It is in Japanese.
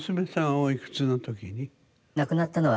おいくつの時に？